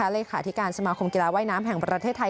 เลขาธิการสมาคมกีฬาว่ายน้ำแห่งประเทศไทย